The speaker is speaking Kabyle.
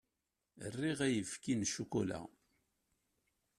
Riɣ ayefki n ccukula.